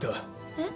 えっ？